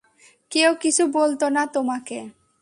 কেউ কিছু বলত না তোমাকে।